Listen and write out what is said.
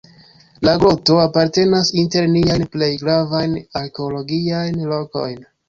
La groto apartenas inter niajn plej gravajn arkeologiajn lokojn.